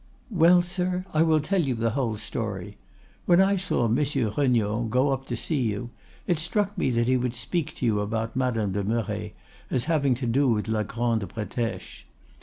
"'Well, sir, I will tell you the whole story.—When I saw Monsieur Regnault go up to see you, it struck me that he would speak to you about Madame de Merret as having to do with la Grande Bretèche.